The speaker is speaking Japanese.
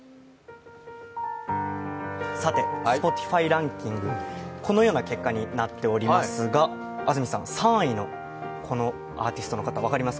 Ｓｐｏｔｉｆｙランキング、このような結果になっていますが、安住さん、３位のこのアーティストの方、分かります？